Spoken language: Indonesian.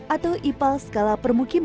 atau ipal skala perpustakaan